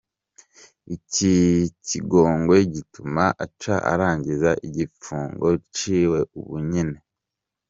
Iki kigongwe gituma aca aranginza igipfungo ciwe ubu nyene.